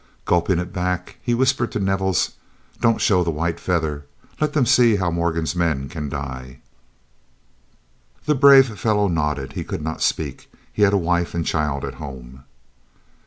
Gulping it back, he whispered to Nevels: "Don't show the white feather. Let them see how Morgan's men can die." The brave fellow nodded; he could not speak. He had a wife and child at home.